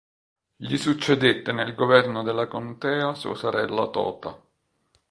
Gli succedette nel governo della contea sua sorella Tota.